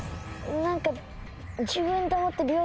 何か。